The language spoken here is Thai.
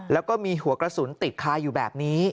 แล้วก็มีหัวกระสุนติดคาอยู่แบบนี้